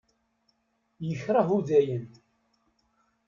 Yekreh Udayen.